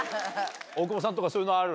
大久保さんとかそういうのある？